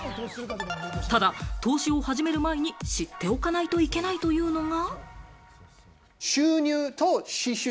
ただ投資を始める前に知っておかないといけないというのが。